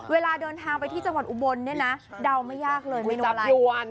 เวลาเดินทางไปที่จังหวัดอุบลเนี่ยนะเดาไม่ยากเลยเมนูจับยวน